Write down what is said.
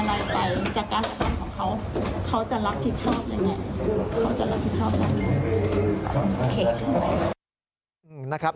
เขาจะรักที่ชอบหรืออย่างไร